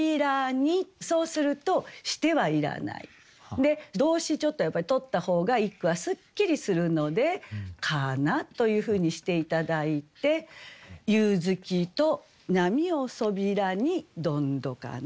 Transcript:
で動詞ちょっとやっぱり取った方が一句はすっきりするので「かな」というふうにして頂いて「夕月と波を背にどんどかな」。